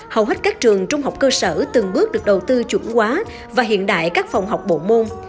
hầu hết các trường trung học cơ sở từng bước được đầu tư chuẩn quá và hiện đại các phòng học bộ môn